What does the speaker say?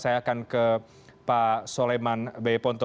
saya akan ke pak soleman bey ponto